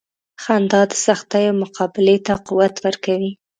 • خندا د سختیو مقابلې ته قوت ورکوي.